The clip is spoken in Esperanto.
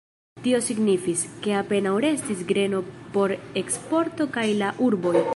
Tio signifis, ke apenaŭ restis greno por eksporto kaj la urboj.